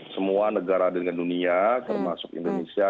semua negara dengan dunia termasuk indonesia